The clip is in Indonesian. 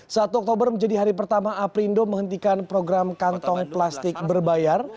saat oktober menjadi hari pertama aprindo menghentikan program kantong plastik berbayar